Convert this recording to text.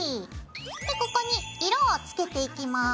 でここに色をつけていきます。